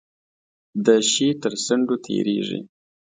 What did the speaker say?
د شی تر څنډو تیریږي.